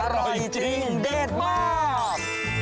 อร่อยจริงเด็ดมาก